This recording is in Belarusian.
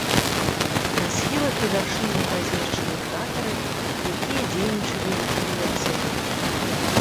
На схілах і вяршынях размешчаны кратары, якія дзейнічалі ў пліяцэне.